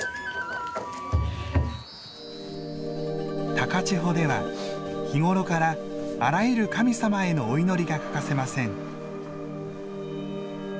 高千穂では日頃からあらゆる神様へのお祈りが欠かせません。